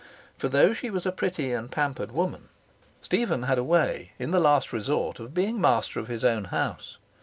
For, though she was a pretty and pampered woman, Stephen had a way, in the last resort, of being master of his own house.